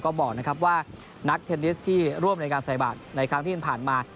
ก็บอกนะครับว่านักเทนนิสที่ร่วมในการใส่บาทในครั้งที่ผ่านมา